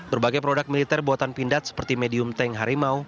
berbagai produk militer buatan pindad seperti medium tank harimau